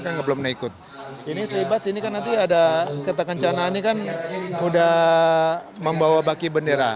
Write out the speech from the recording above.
kan belum ikut ini terlibat sini kan nanti ada kata kencanaan ini kan udah membawa baki bendera